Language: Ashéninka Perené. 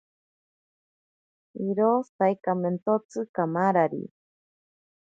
Iro saikamentotsi kamarari.